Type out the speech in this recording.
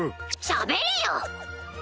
しゃべれよ！